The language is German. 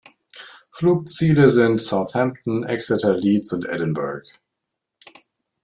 Flugziele sind Southampton, Exeter, Leeds und Edinburgh.